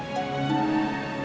lo kan lagi sembunyi